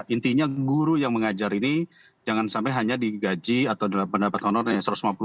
intinya guru yang mengajar ini jangan sampai hanya digaji atau pendapat honornya satu ratus lima puluh